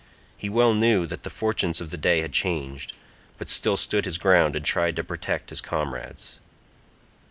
He well knew that the fortunes of the day had changed, but still stood his ground and tried to protect his comrades.